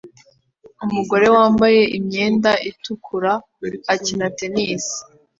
Umugore wambaye imyenda itukura akina tennis